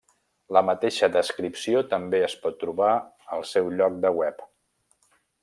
La mateixa descripció també es pot trobar al seu lloc de web.